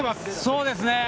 そうですね。